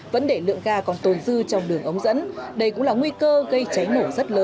vấn đề lượng ga còn tồn dư trong đường ống dẫn đây cũng là nguy cơ gây cháy nổ rất lớn